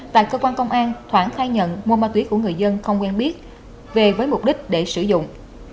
tại cơ quan công an thoảng khai nhận mua ma túy của người dân không quen biết về với mục đích để sử dụng